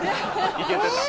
いけてた？